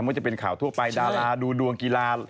ว่าจะเป็นข่าวทั่วไปดาราดูดวงกีฬา